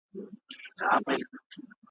یو ګیدړ وو ډېر چالاکه په ځغستا وو `